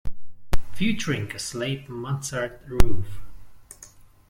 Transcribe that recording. Featuring a slate mansard roof.